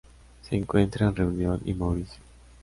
Se encuentra en Reunión y Mauricio.